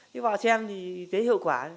thế vào xem thì thấy hiệu quả